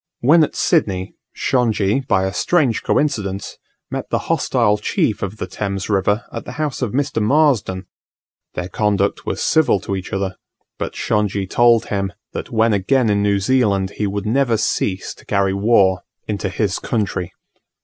When at Sydney, Shongi, by a strange coincidence, met the hostile chief of the Thames River at the house of Mr. Marsden: their conduct was civil to each other; but Shongi told him that when again in New Zealand he would never cease to carry war into his country.